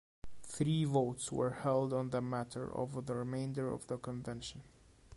Three votes were held on the matter over the remainder of the convention.